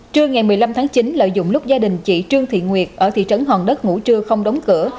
trưa ngày một mươi năm tháng chín lợi dụng lúc gia đình chị trương thị nguyệt ở thị trấn hòn đất ngủ trưa không đóng cửa